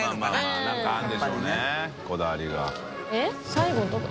最後どこ？